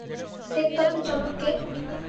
সেটতত্ত্বের জনক কে?